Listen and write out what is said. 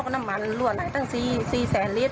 น้ำมันรั่วตั้ง๔แสนลิตร